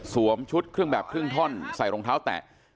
ชุดเครื่องแบบครึ่งท่อนใส่รองเท้าแตะ